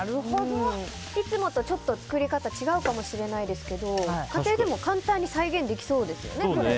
いつもとちょっと作り方違うかもしれないですけど家庭でも簡単に再現できそうですよね、これは。